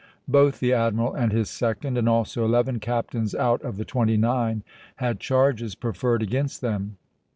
Both the admiral and his second, and also eleven captains out of the twenty nine, had charges preferred against them.